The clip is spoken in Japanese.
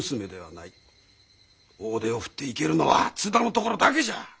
大手を振って行けるのは津田のところだけじゃ。